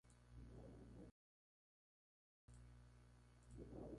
Anteriormente fue presidente del Consejo Superior de Investigaciones Científicas.